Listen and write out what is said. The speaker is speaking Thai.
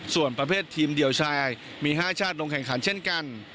ส่วนประเภททีมเดี่ยวชายมี๕ชาติลงแข่งขันเช่นกัน